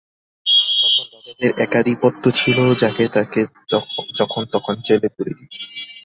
তখন রাজাদের একাধিপত্য ছিল, যাকে তাকে যখন তখন জেলে পুরে দিত।